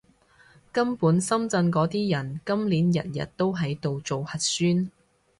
根本深圳嗰啲人，今年日日都喺度做核酸